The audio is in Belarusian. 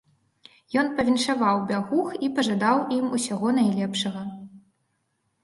Ён павіншаваў бягух і пажадаў ім усяго найлепшага.